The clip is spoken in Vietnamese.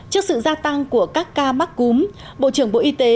trước sự gia tăng của các ca mắc cúm bộ trưởng bộ y tế